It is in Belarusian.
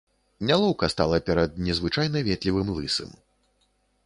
Нялоўка стала перад незвычайна ветлівым лысым.